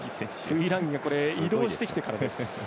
トゥイランギ移動してきてからです。